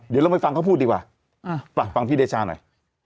เดี๋ยวลองไปฟังเขาพูดดีกว่าฟังพี่เดชาหน่อย